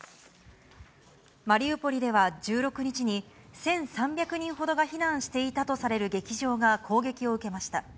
マリウポリでは１６日に、１３００人ほどが避難していたとされる劇場が攻撃を受けました。